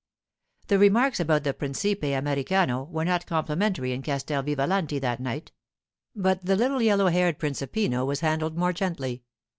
The remarks about the principe Americano were not complimentary in Castel Vivalanti that night; but the little yellow haired principino was handled more gently.